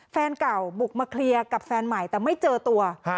แฟนเก่าบุกมาเคลียร์กับแฟนใหม่แต่ไม่เจอตัว